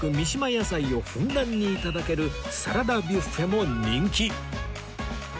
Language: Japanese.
野菜をふんだんに頂けるサラダビュッフェも人気